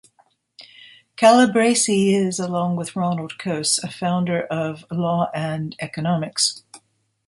Calabresi is, along with Ronald Coase, a founder of law and economics.